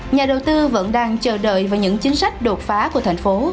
nhà đầu tư vẫn đang chờ đợi vào những chính sách đột phá của thành phố